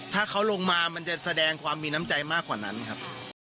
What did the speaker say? ถ้าเขาลงมามันจะแสดงความมีน้ำใจมากกว่านั้นครับ